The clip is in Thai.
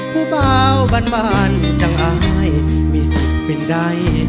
ผู้เบาบานจังอ้ายมีสิทธิ์เป็นไง